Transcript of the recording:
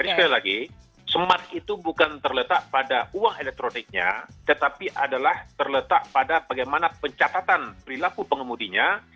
tapi sekali lagi smart itu bukan terletak pada uang elektroniknya tetapi adalah terletak pada bagaimana pencatatan perilaku pengemudinya